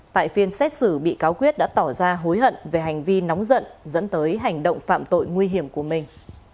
tại phiên xét xử bị cáo quyết đã tỏ ra hối hận về hành vi nóng giận dẫn tới hành động phạm tội nguy hiểm của mình